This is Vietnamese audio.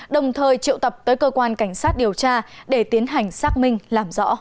đồng thời triệu tập tới cơ quan cảnh sát điều tra để tiến hành xác minh